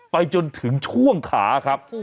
ไปจนถึงช่วงขาครับ